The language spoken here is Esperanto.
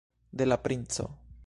de la princo.